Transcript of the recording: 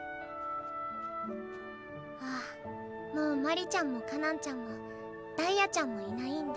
「ああもう鞠莉ちゃんも果南ちゃんもダイヤちゃんもいないんだ」